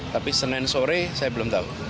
tapi senin sore saya belum tahu